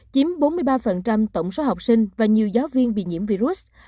chiếm bốn mươi ba tổng số học sinh và nhiều giáo viên bị nhiễm virus